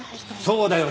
そうだよ。